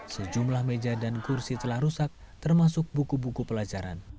sejumlah meja dan kursi telah rusak termasuk buku buku pelajaran